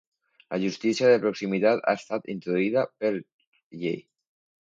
La justícia de proximitat ha estat introduïda per llei.